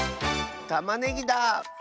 たまねぎだ！